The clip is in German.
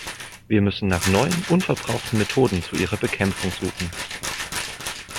Wir müssen nach neuen, unverbrauchten Methoden zu ihrer Bekämpfung suchen.